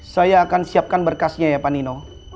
saya akan siapkan berkasnya ya pak nino